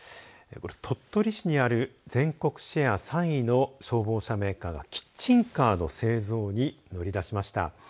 鳥取市にある全国シェア３位の消防車メーカーがキッチンカーの製造に乗りだしました。